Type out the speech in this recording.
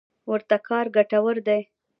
ورته کار ګټور دی.